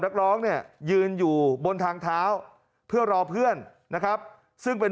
นักร้องเนี่ยยืนอยู่บนทางเท้าเพื่อรอเพื่อนนะครับซึ่งเป็น